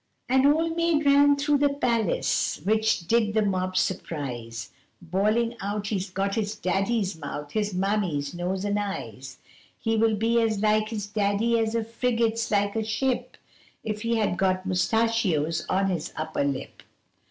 An old maid ran through the palace, which did the nobs surprise, Bawling out he's got his daddy's mouth his mammy's nose and eyes He will be as like his daddy as a frigate's like a ship, If he had got mustachoes on his upper lip.